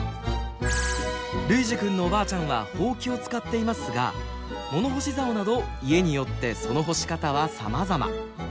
ルイジくんのおばあちゃんはホウキを使っていますが物干し竿など家によってその干し方はさまざま。